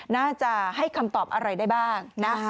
น่าจะให้คำตอบอะไรได้บ้างนะ